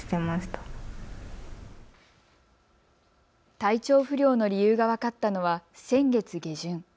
体調不良の理由が分かったのは先月下旬。